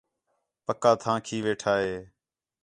پکا تھاں کھی ویٹھا ہے